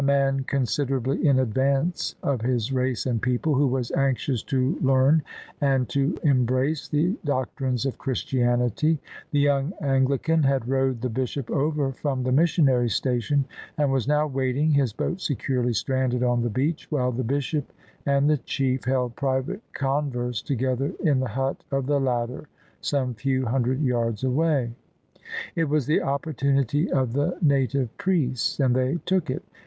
man considerably in advance of his race and people, who was anxious to learn and to embrace the doctrines of Christianity: the young Anglican had rowed the Bishop over from the missionary station, and was now waiting — ^his boat securely stranded on the beach — while the Bishop and the chief held private con verse together in the hut of the latter, some few hundred yards away. It was the opportunity of the native priests : and they took it.